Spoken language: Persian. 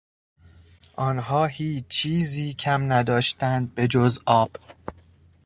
آنها هیچ چیزی کم نداشتند بجز آب